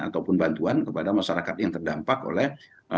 ataupun bantuan kepada masyarakat yang terdampak oleh